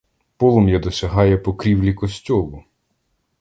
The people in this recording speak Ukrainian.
Полум'я досягає покрівлі костьолу!